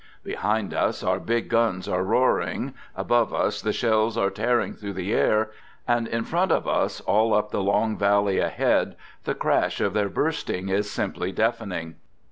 Behind us our big guns are roaring, above us the shells are tearing through the air, and in front of us, all up the long valley ahead, the crash of their bursting is simply deafening.